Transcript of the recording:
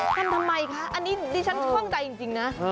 ทำทำไมคะอันนี้ดิฉันคล่องใจจริงนะ